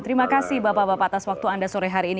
terima kasih bapak bapak atas waktu anda sore hari ini